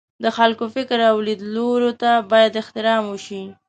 د خلکو فکر او لیدلوریو ته باید احترام وشي.